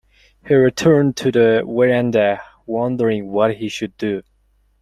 He returned to the verandah wondering what he should do.